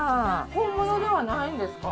本物ではないんですか？